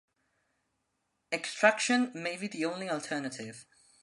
Extraction may be the only alternative.